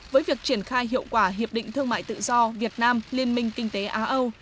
với việc triển khai hiệu quả hiệp định thương mại tự do việt nam liên minh kinh tế á âu